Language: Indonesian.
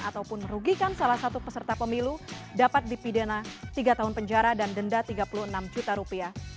ataupun merugikan salah satu peserta pemilu dapat dipidana tiga tahun penjara dan denda tiga puluh enam juta rupiah